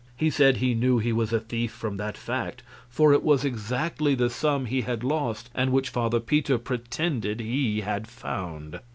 He said he knew he was a thief from that fact, for it was exactly the sum he had lost and which Father Peter pretended he had "found."